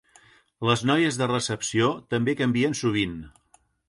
Les noies de recepció també canvien sovint.